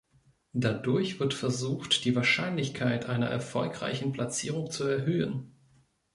Dadurch wird versucht, die Wahrscheinlichkeit einer erfolgreichen Platzierung zu erhöhen.